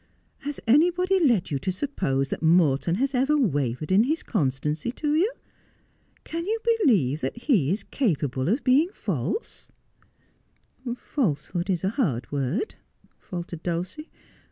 Has anybody led you to suppose that Morton has ever wavered in his constancy to you ] Can you believe that he is capable of being false 1 ' 'Falsehood is a hard word,' faltered Dulcie.